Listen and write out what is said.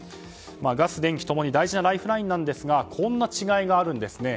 ガス、電気共に大事なライフラインですがこんな違いがあるんですね。